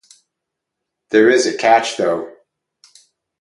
There is a catch, though.